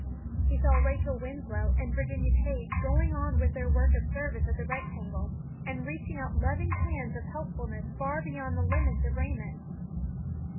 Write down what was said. He saw Rachel Winslow and Virginia Page going on with their work of service at the Rectangle, and reaching out loving hands of helpfulness far beyond the limits of Raymond.